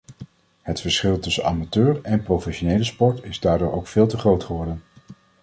Het verschil tussen amateur en professionele sport is daardoor ook veel te groot geworden.